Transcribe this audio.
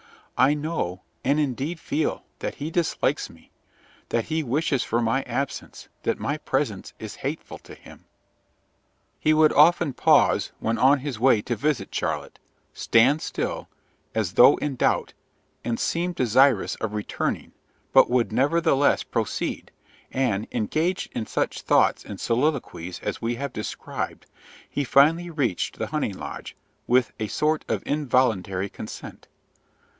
I know, and indeed feel, that he dislikes me, that he wishes for my absence, that my presence is hateful to him." He would often pause when on his way to visit Charlotte, stand still, as though in doubt, and seem desirous of returning, but would nevertheless proceed; and, engaged in such thoughts and soliloquies as we have described, he finally reached the hunting lodge, with a sort of involuntary consent.